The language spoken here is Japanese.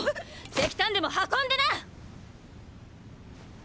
石炭でも運んでな！！